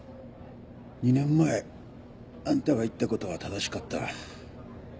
２年前あんたが言ったことは正しかった。